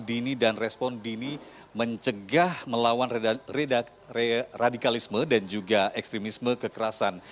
dini dan respon dini mencegah melawan radikalisme dan juga ekstremisme kekerasan